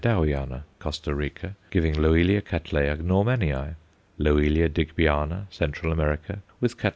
Dowiana_, Costa Rica, giving Loelio Catt. Normanii; Loelia Digbyana, Central America, with _Catt.